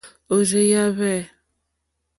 Òrzèèyá hwɛ̂.